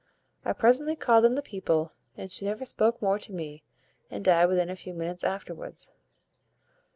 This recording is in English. I presently called in the people, and she never spoke more to me, and died within a few minutes afterwards."